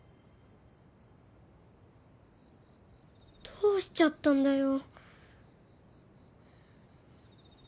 どうしちゃったんだよ。